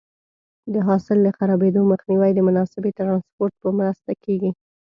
د حاصل د خرابېدو مخنیوی د مناسبې ټرانسپورټ په مرسته کېږي.